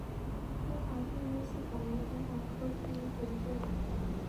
中华巨咽吸虫为同盘科巨咽属的动物。